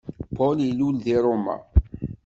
Paul ilul di Roma.